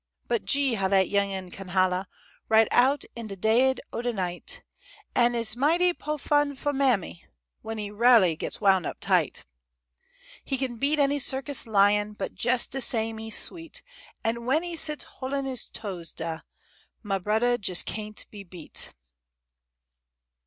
But gee! how dat young'n kin hollah Right out in de daid o' de night; An' its mighty po' fun fo' mammy, W'en he railly gits woun' up tight. He kin beat any circus lion— But jes' de same he's sweet, An' w'en he sits hol'in' his toes dah, Mah bruddah jes' cain't be beat.